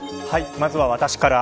まずは私から。